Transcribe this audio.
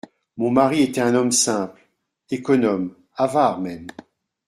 Mon mari était un homme simple… économe… avare même.